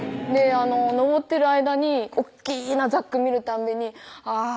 登ってる間に大っきなザック見るたんびにあぁ